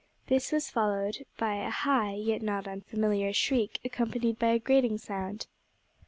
This was followed by a high yet not unfamiliar shriek, accompanied by a grating sound.